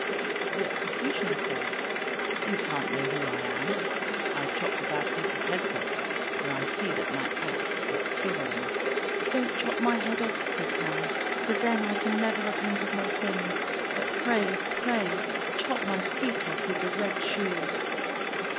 " The executioner said, " You can't know who I am? I chop the bad people's heads off, and I see that my axe is quivering." E 66 ANDERSEN'S FAIRY TALES " Don't chop my head off," said Karen, " for then I can never repent of my sins, but pray, pray chop my feet off with the red shoes!